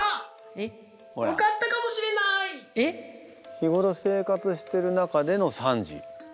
日頃生活してる中での３時。